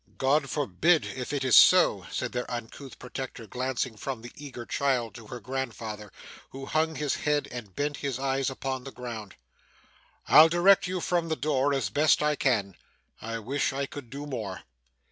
'God forbid, if it is so!' said their uncouth protector, glancing from the eager child to her grandfather, who hung his head and bent his eyes upon the ground. 'I'll direct you from the door, the best I can. I wish I could do more.